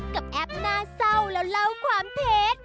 กับแอบหน้าเศร้าแล้วเล่าความเทรด